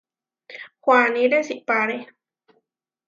Huaní resipáre.